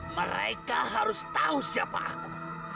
mereka harus tahu siapa aku